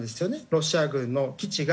ロシア軍の基地が。